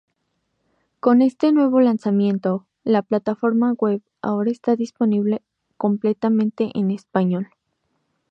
Con este nuevo lanzamiento, la plataforma "web" ahora está disponible completamente en español.